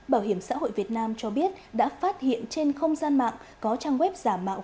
bảo hiểm xã hội việt nam cho biết đã phát hiện trên không gian mạng có trang web giả mạo